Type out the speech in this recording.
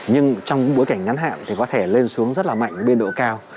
nhưng trong bối cảnh ngắn hạn thì có thể lên xuống rất là mạnh biên độ cao